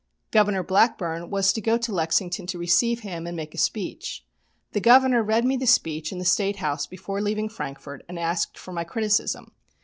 Governor Blackburn was to go to Lexington to receive him and make a speech. The Governor read me the speech in the State House before leaving Frankfort, and asked for my criticism.